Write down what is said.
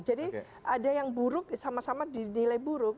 jadi ada yang buruk sama sama didilai buruk